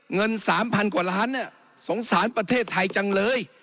เงิน๓๐๐กว่าล้านสงสารประเทศไทยจังเลย